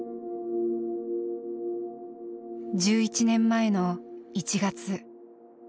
１１年前の１月。